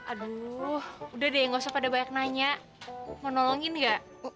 aduh udah deh nggak usah pada banyak nanya mau nolongin gak